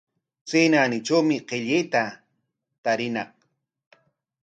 Chay naanitrawshi qillayta tariñaq.